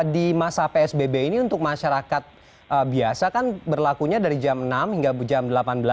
di masa psbb ini untuk masyarakat biasa kan berlakunya dari jam enam hingga jam delapan belas